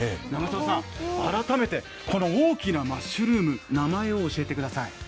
長澤さん、改めて、この大きなマッシュルーム、名前を教えてください。